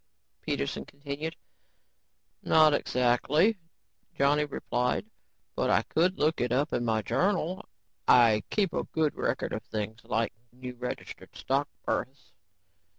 Peterson continued. "Not exactly," Johnny replied, "but I could look it up in my journal. I keep a good record of things like new registered stock births."